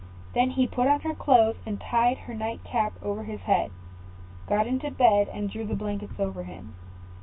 Then he put on her clothes, and tied her night cap over his head; got into the bed, and drew the blankets over him.